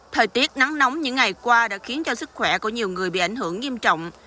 thời tiết nắng nóng những ngày qua đã khiến cho sức khỏe của nhiều người bị ảnh hưởng nghiêm trọng